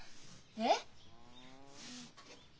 えっ？